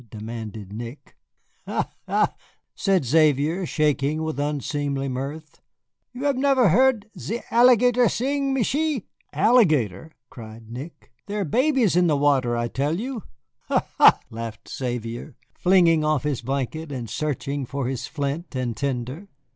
demanded Nick. "Ha, ha," said Xavier, shaking with unseemly mirth, "you have never heard ze alligator sing, Michié?" "Alligator!" cried Nick; "there are babies in the water, I tell you." "Ha, ha," laughed Xavier, flinging off his blanket and searching for his flint and tinder.